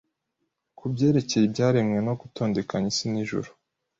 kubyerekeye ibyaremwe no gutondekanya isi n'ijuru